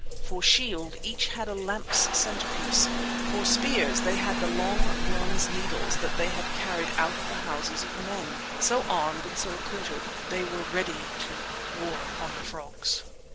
For shield, each had a lamp's centerpiece. For spears they had the long bronze needles that they had carried out of the houses of men. So armed and so accoutered they were ready to war upon the frogs.